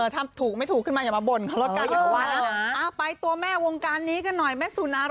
ถ้าถูกไม่ถูกขึ้นมาอย่ามาบ่นนะ